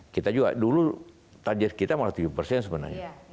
kita juga dulu target kita malah tujuh persen sebenarnya